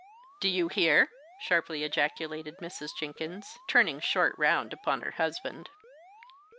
"Do you hear?" sharply ejaculated Mrs. Jenkins, turning short round upon her husband.